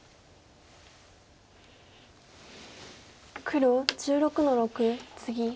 黒１６の六ツギ。